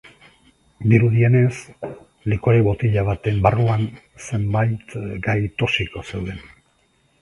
Dirudienez, likore botila baten barruan zenbait gai toxiko zeuden.